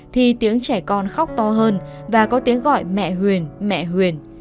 thì tiếng trẻ con khóc to hơn và có tiếng gọi mẹ huyền mẹ huyền